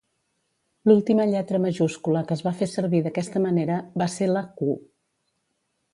L'última lletra majúscula que es va fer servir d'aquesta manera va ser la 'Q'.